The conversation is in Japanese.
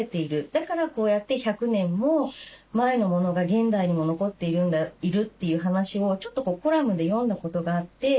だからこうやって１００年も前のものが現代にも残っているという話をちょっとコラムで読んだことがあって。